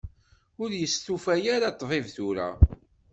Ur yestufa ara ṭṭbib tura.